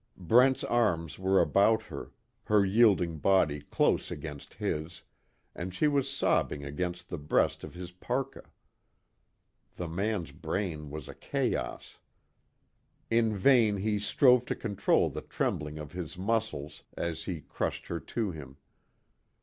Brent's arms were about her, her yielding body close against his, and she was sobbing against the breast of his parka. The man's brain was a chaos. In vain he strove to control the trembling of his muscles as he crushed her to him.